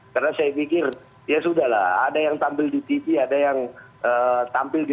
karena saya pikir ya sudah lah ada yang tampil di tv ada yang tampil di tv